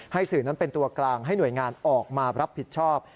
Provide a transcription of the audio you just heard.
สื่อนั้นเป็นตัวกลางให้หน่วยงานออกมารับผิดชอบ